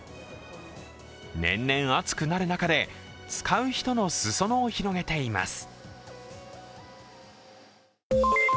年々暑くなる中で使う人のすそ野を広げています。